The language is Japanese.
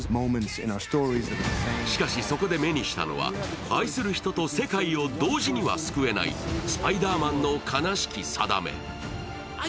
しかしそこで目にしたのは愛する人と世界を同時には救えないスパイダーマンの悲しき定め。